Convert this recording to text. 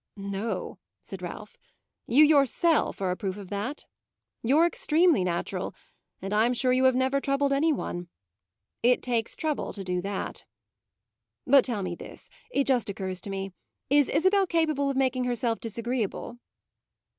"No," said Ralph; "you yourself are a proof of that. You're extremely natural, and I'm sure you have never troubled any one. It takes trouble to do that. But tell me this; it just occurs to me. Is Isabel capable of making herself disagreeable?"